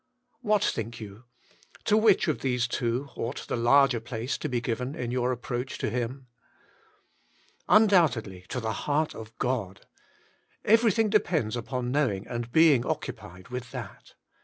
What think you ? to which of these two ought the larger place to be given in your approach to Him? Undoubtedly, to the heart of God : every thing depends upon knowing and being occupied with that.